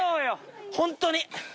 ホントに。